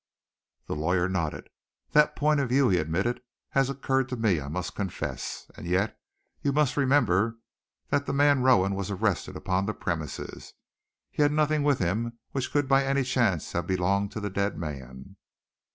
The lawyer nodded. "That point of view," he admitted, "has occurred to me, I must confess. And yet, you must remember that the man Rowan was arrested upon the premises. He had nothing with him which could by any chance have belonged to the dead man."